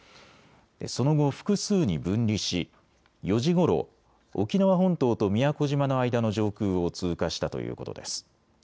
その後、複数に分離し４時ごろ、沖縄本島と宮古島の間の上空を通過したということです。